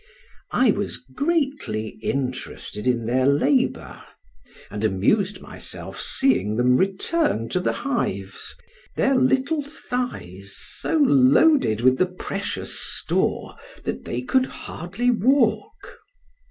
I was greatly interested in their labor, and amused myself seeing them return to the hives, their little thighs so loaded with the precious store that they could hardly walk.